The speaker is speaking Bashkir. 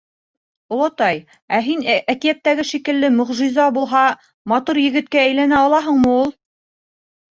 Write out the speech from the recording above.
— Олатай, ә һин әкиәттәге шикелле мөғжизә булһа, матур егеткә әйләнә алаһыңмы ул?